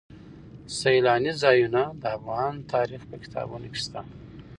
سیلاني ځایونه د افغان تاریخ په کتابونو کې شته.